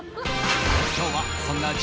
今日はそんなＪＯ